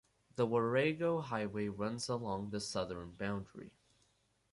The Warrego Highway runs along the southern boundary.